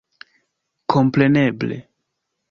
Kompreneble.